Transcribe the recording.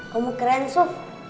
kamu keren yusuf